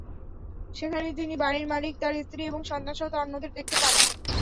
সেখানে তিনি বাড়ির মালিক, তাঁর স্ত্রী এবং সন্তানসহ অন্যদের দেখতে পান।